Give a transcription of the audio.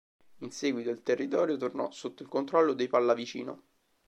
In seguito il territorio tornò sotto il controllo dei Pallavicino.